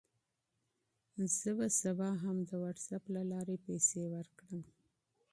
زه به سبا هم د وټساپ له لارې پیسې ورکړم.